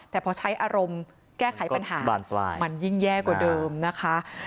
แต่พอใช้อารมณ์แก้ไขปัญหาบานปลายมันยิ่งแย่กว่าเดิมนะคะ